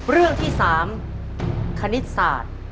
เรื่องที่๓คณิตศาสตร์